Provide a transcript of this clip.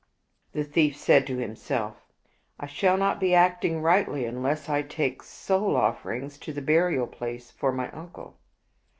The thief said to himself, " I shall not be acting rightly unless I take soul oflferings to the burial place for my uncle."